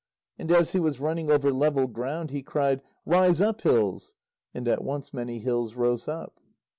And as he was running over level ground, he cried: "Rise up, hills!" And at once many hills rose up.